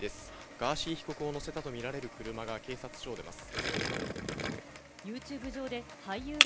ガーシー被告を乗せたとみられる車が警察署を出ます。